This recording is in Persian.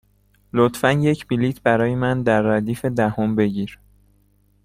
لطفا یک بلیط برای من در ردیف دهم بگیر.